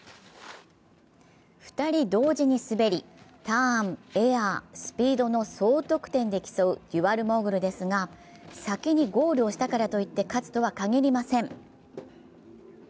２人同時に滑り、ターン、エア、スピードの総得点で競うデュアルモーグルですが、先にゴールをしたからといって勝つとは限りません。